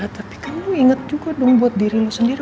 tapi kamu inget juga dong buat diri lo sendiri